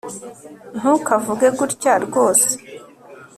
ntukavuge gutya rwose